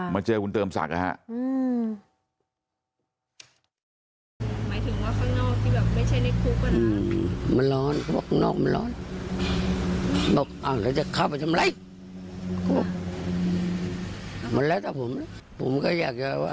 เจอคุณเติมศักดิ์นะฮะ